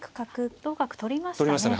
同角取りましたね。